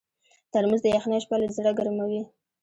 ترموز د یخنۍ شپه له زړه ګرمووي.